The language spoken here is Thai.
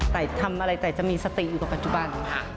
แต่ทำอะไรแต่จะมีสติอยู่กับปัจจุบัน